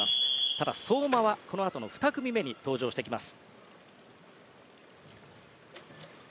ただ、相馬はこのあとの２組目に登場してきます。